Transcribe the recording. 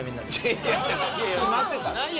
いやいや決まってたよ